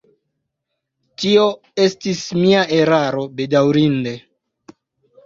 Tio estis mia eraro, bedaŭrinde.